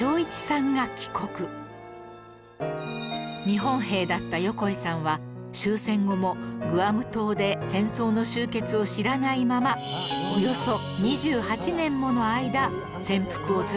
日本兵だった横井さんは終戦後もグアム島で戦争の終結を知らないままおよそ２８年もの間潜伏を続けていたんです